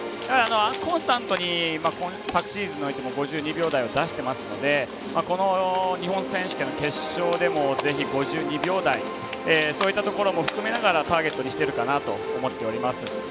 コンスタントに昨シーズンも５２秒台を出してますのでこの日本選手権の決勝でもぜひ、５２秒台そういったところも含めながらターゲットにしているかなと思っております。